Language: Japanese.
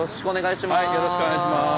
よろしくお願いします。